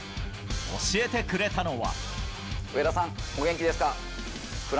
教えてくれたのは。